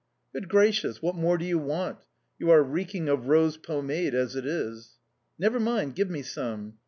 "Good gracious, what more do you want? You are reeking of rose pomade as it is." "Never mind. Give me some"...